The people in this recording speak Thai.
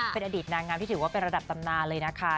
เป็นอดีตนางงามที่ถือว่าเป็นระดับตำนานเลยนะคะ